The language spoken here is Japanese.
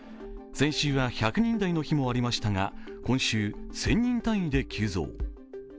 先週は１００人台の日もありましたが今週、１０００人単位で急増。